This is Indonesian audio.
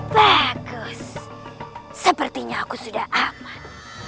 bagus sepertinya aku sudah aman